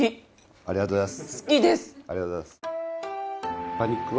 ありがとうございます。